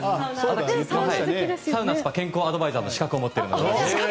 サウナ・スパ健康アドバイザーの資格を持っています。